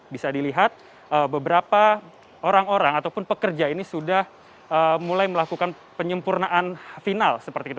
bisa dilihat beberapa orang orang ataupun pekerja ini sudah mulai melakukan penyempurnaan final seperti itu